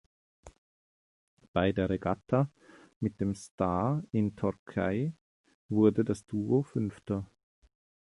Bei der Regatta mit dem Star in Torquay wurde das Duo Fünfter.